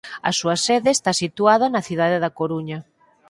A súa sede está situada na cidade da Coruña.